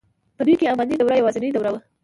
په دوی کې اماني دوره یوازنۍ دوره وه.